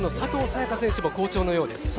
也伽選手も好調のようです。